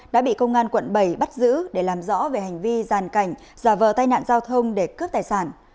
đã bị công an quận bảy bắt giữ để làm rõ về hành vi gian cảnh giả vờ tai nạn giao thông để cướp tài sản